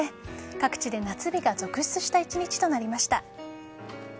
各地で夏日が続出した１日となりました。